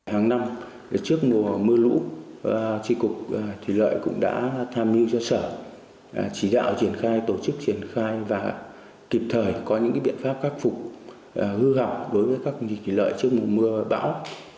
hàng năm trước mùa mưa lũ trị cục thủy lợi cũng đã tham mưu cho sở chỉ đạo triển khai tổ chức triển khai và kịp thời có những biện pháp khắc phục hư hỏng đối với các thủy lợi trước mùa mưa bão